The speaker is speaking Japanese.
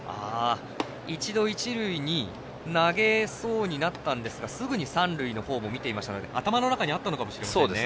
一度、一塁に投げそうになったんですがすぐに三塁の方を見ていましたので頭の中にあったのかもしれませんね。